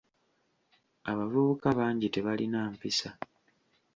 Abavubuka bangi tebalina mpisa.